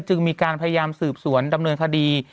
จึงมีการพยายามสืบสวนดำเนินคดี